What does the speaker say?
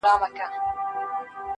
ځوان يوه غټه ساه ورکش کړه~